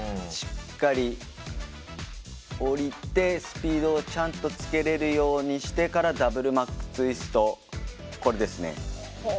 しっかり降りてスピードをちゃんとつけれるようにしてからダブルマックツイストこれですね。